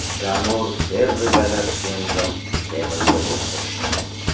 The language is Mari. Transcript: Ганур первый гана шкенжым семынже вурсыш.